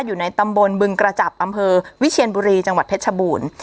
อยู่ในตำบลบึงกระจับอำเภอวิเชียนบุรีจังหวัดเพชรชบูรณ์